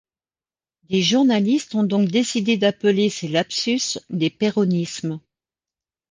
Des journalistes ont donc décidé d'appeler ces lapsus des perronismes.